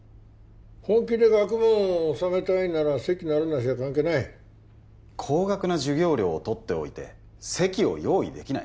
本気で学問を修めたいなら席のあるなしは関係ない高額な授業料を取っておいて席を用意できない